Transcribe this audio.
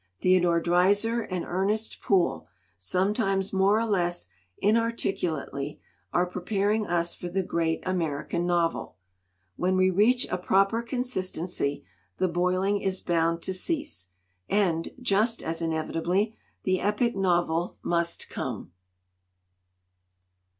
Theodore Dreiser and Ernest Poole, sometimes more or less in articulately, are preparing us for the great Ameri can novel. When we reach a proper consistency the boiling is bound to cease, and, just as in evitably, the epic novel must come."